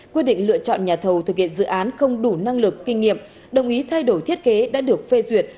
quyết định lựa chọn nhà thầu thực hiện dự án không đủ năng lực kinh nghiệm đồng ý thay đổi thiết kế đã được phê duyệt